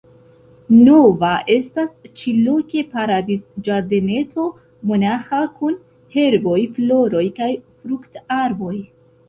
Nova estas ĉi-loke paradiz-ĝardeneto monaĥa kun herboj, floroj kaj fruktarboj.